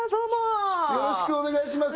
よろしくお願いします